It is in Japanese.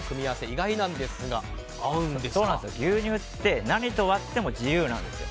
意外なんですが牛乳って何と割っても自由なんです。